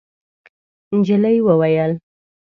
نجلۍ وویل: